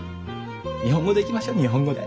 日本語でいきましょう日本語で。